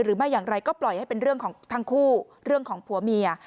หรือไม่อย่างไรก็ปล่อยให้เป็นเรื่องของทั้งคู่เรื่องของผัวเมีย